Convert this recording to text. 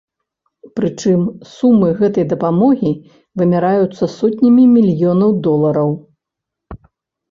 Прычым, сумы гэтай дапамогі вымяраюцца сотнямі мільёнаў долараў.